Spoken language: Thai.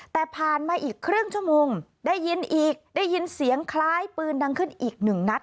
แต่ผ่านมาอีกครึ่งชั่วโมงได้ยินอีกได้ยินเสียงคล้ายปืนดังขึ้นอีกหนึ่งนัด